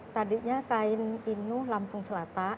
tadinya kain inuh lampung selatan